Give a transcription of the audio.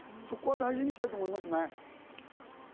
そこは大事にしたいと思いますね。